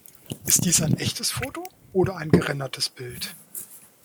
Ist dies ein echtes Foto oder ein gerendertes Bild?